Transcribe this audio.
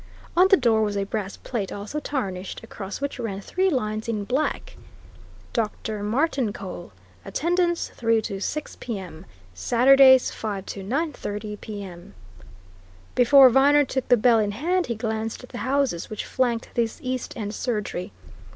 On the door was a brass plate, also tarnished, across which ran three lines in black: "Dr. Martincole. Attendance: 3 to 6 p. m. Saturdays. 5 to 9.30 p. m." Before Viner took the bell in hand, he glanced at the houses which flanked this East end surgery.